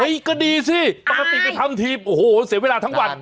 เฮ้ยก็ดีสิปกติจะทำทีเสียเวลาทั้งวัน